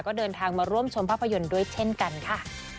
ก็เดินทางมาร่วมชมภาพยนตร์ด้วยเช่นกันค่ะ